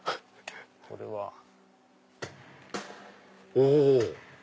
お！